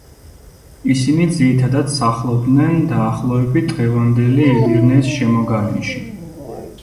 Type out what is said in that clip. ისინი ძირითადად სახლობდნენ დაახლოებით დღევანდელი ედირნეს შემოგარენში.